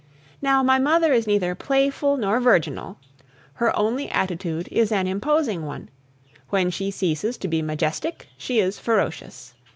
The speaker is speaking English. Now, my mother is neither playful nor virginal. Her only attitude is an imposing one; when she ceases to be majestic, she is ferocious.